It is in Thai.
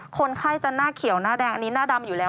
คนไข้จะหน้าเขียวหน้าแดงอันนี้หน้าดำอยู่แล้ว